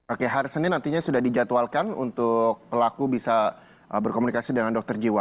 oke hari senin nantinya sudah dijadwalkan untuk pelaku bisa berkomunikasi dengan dokter jiwa